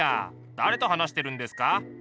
誰と話してるんですか？